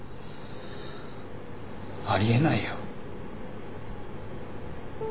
ありえないよ。